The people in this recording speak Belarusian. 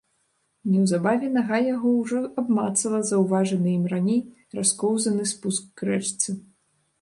Неўзабаве нага яго ўжо абмацала заўважаны ім раней раскоўзаны спуск к рэчцы.